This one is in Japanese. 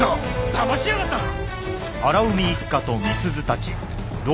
だましやがったな！